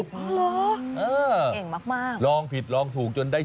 เก่งมากลองผิดลองถูกจนได้